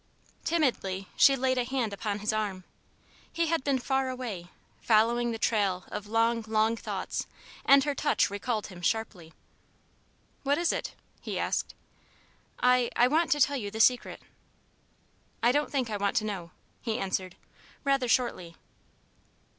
Timidly she laid a hand upon his arm. He had been far away, following the trail of long, long thoughts, and her touch recalled him sharply. "What is it?" he asked. "I I want to tell you the Secret." "I don't think I want to know," he answered, rather shortly.